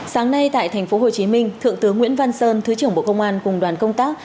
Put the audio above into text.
sáng nay tại tp hcm thượng tướng nguyễn văn sơn thứ trưởng bộ công an cùng đoàn công tác